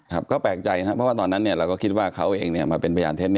ครับก็แปลกใจนะครับเพราะว่าตอนนั้นเราก็คิดว่าเขาเองมาเป็นพยานเท็จ